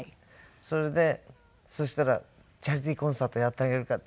それでそうしたら「チャリティーコンサートやってあげるから」って。